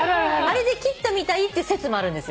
あれで切ったみたいって説もあるんですよ。